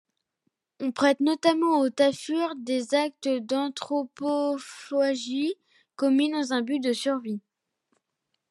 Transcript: On prête notamment aux Tafurs des actes d'anthropophagie, commis dans un but de survie.